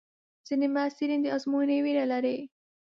ځینې محصلین د ازموینې وېره لري.